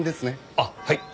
あっはい。